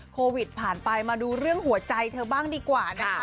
โควิดผ่านไปมาดูเรื่องหัวใจเธอบ้างดีกว่านะคะ